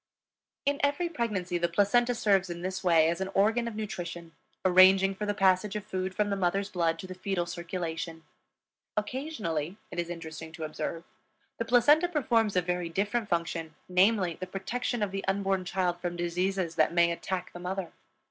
In every pregnancy the placenta serves in this way as an organ of nutrition, arranging for the passage of food from the mother's blood to the fetal circulation. Occasionally, it is interesting to observe, the placenta performs a very different function, namely, the protection of the unborn child from diseases that may attack the mother.